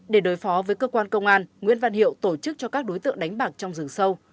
để đối phó với cơ quan công an nguyễn văn hiệu tổ chức cho các đối tượng đánh bạc trong rừng sâu